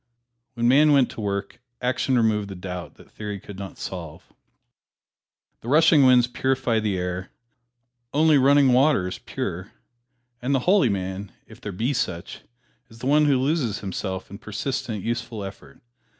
When man went to work, action removed the doubt that theory could not solve. The rushing winds purify the air; only running water is pure; and the holy man, if there be such, is the one who loses himself in persistent, useful effort.